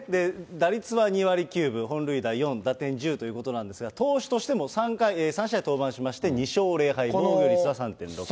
打率は２割９分、本塁打４、打点１０ということなんですが、投手としても３試合登板しまして、２勝０敗、防御率は３．６０。